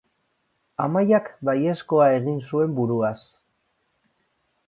Amaiak baiezkoa egin zuen buruaz.